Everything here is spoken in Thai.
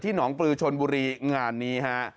ที่หนองปือชนบุรีงานนี้